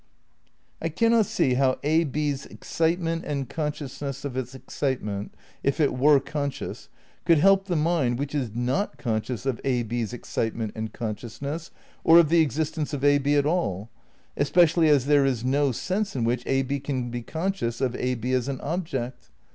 I cannot see how A B's excitement and consciousness of its excitement, if it were conscious, could help the mind which is not conscious of A B's excitement and consciousness, or of the existence of A B at all; espe cially as there is no sense in which A B can be con scious of ab as an object.